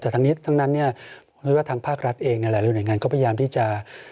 แต่ทั้งนี้ทั้งนั้นเนี่ยไม่ว่าทางภาครัฐเองหลายหน่วยงานก็พยายามที่จะ